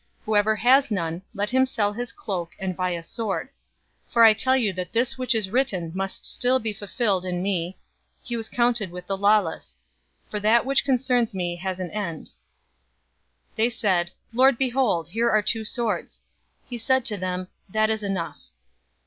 Whoever has none, let him sell his cloak, and buy a sword. 022:037 For I tell you that this which is written must still be fulfilled in me: 'He was counted with the lawless.'{Isaiah 53:12} For that which concerns me has an end." 022:038 They said, "Lord, behold, here are two swords." He said to them, "That is enough."